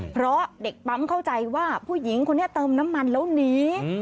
เพราะเด็กปั๊มเข้าใจว่าผู้หญิงคนนี้เติมน้ำมันแล้วหนี